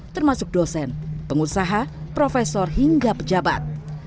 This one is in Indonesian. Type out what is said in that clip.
termasuk dosen pengusaha profesor hingga pejabat